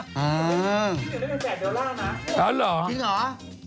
นี่เหมือนเรื่องแบบแบบเดอร์ล่านะอ๋อเหรอจริงเหรอ